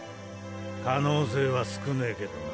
可能性は少ねぇけどな。